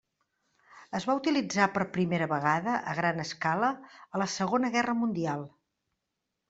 Es va utilitzar per primera vegada a gran escala a la Segona Guerra Mundial.